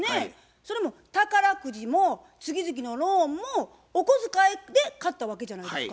それも宝くじも月々のローンもお小遣いで買ったわけじゃないですか。